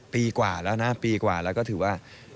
ผมก็จะ๓๐แล้วอะ